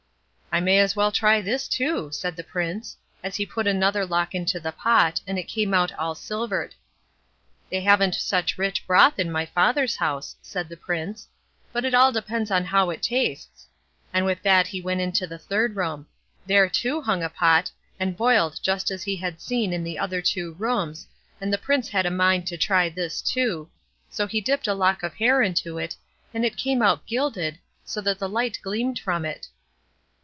"I may as well try this too", said the Prince, as he put another lock into the pot, and it came out all silvered. "They haven't such rich broth in my father's house", said the Prince; "but it all depends on how it tastes", and with that he went on into the third room. There, too, hung a pot, and boiled just as he had seen in the two other rooms, and the Prince had a mind to try this too, so he dipped a lock of hair into it, and it came out gilded, so that the light gleamed from it.